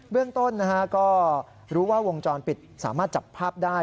เรื่องต้นก็รู้ว่าวงจรปิดสามารถจับภาพได้